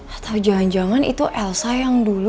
atau jangan jangan itu elsa yang dulu